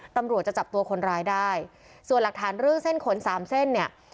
ตำรวจจะจับตัวคนร้ายได้ส่วนหลักฐานเรื่องเส้นขนสามเส้นเนี่ย